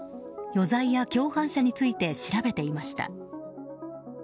余罪や共犯者について調べていました。